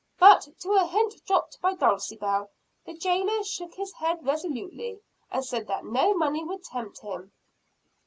"But, to a hint dropped by Dulcibel, the jailer shook his head resolutely, and said that no money would tempt him."